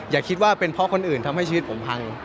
อย่าคิดว่าเป็นเพราะคนอื่นทำให้ชีวิตผมพัง